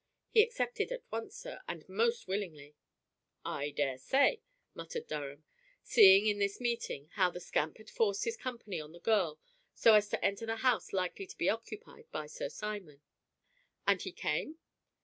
He accepted at once, sir, and most willingly." "I daresay," muttered Durham, seeing in this meeting how the scamp had forced his company on the girl so as to enter the house likely to be occupied by Sir Simon. "And he came?"